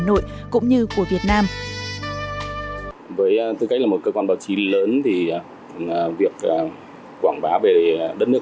nội cũng như của việt nam với tư cách là một cơ quan báo chí lớn thì việc quảng bá về đất nước